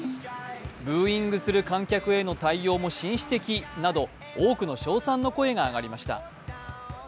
ブーイングする観客への対応も紳士的など多くの称賛の声が上がりました。